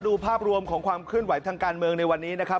ภาพรวมของความเคลื่อนไหวทางการเมืองในวันนี้นะครับ